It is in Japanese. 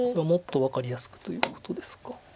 もっと分かりやすくということですか。